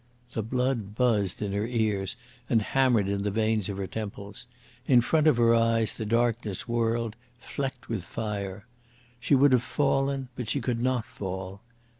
The blood buzzed in her ears and hammered in the veins of her temples. In front of her eyes the darkness whirled, flecked with fire. She would have fallen, but she could not fall.